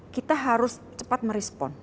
kita harus cepat merespon